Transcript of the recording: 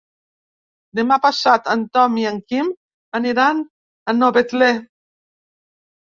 Demà passat en Tom i en Quim aniran a Novetlè.